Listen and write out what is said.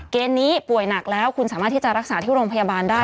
เกณฑ์นี้ป่วยหนักแล้วคุณสามารถที่จะรักษาที่โรงพยาบาลได้